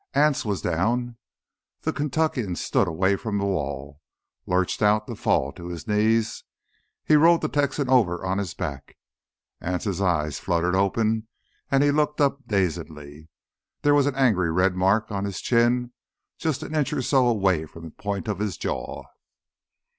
Anse was down! The Kentuckian stood away from the wall, lurched out to fall to his knees. He rolled the Texan over on his back. Anse's eyes fluttered open, and he looked up dazedly. There was an angry red mark on his chin just an inch or so away from the point of his jaw.